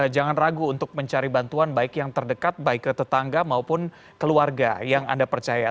jangan ragu untuk mencari bantuan baik yang terdekat baik ke tetangga maupun keluarga yang anda percaya